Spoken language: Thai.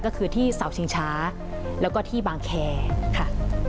ก็คือที่เสาชิงช้าแล้วก็ที่บางแคร์ค่ะ